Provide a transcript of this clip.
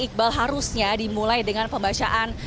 iqbal harusnya dimulai dengan pembacaan